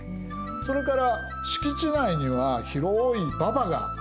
それから敷地内には広い馬場があります。